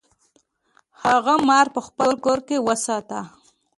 هغه مار په خپل کور کې وساته.